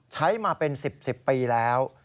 ใช้มาเป็น๑๐๑๐ปีแล้ว